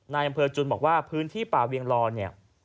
นายังเภอจุนบอกว่าพื้นที่ป่าเวียงลร